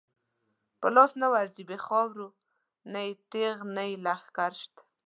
په لاس نه ورځی بی خاورو، نه یی تیغ نه یی لښکر شته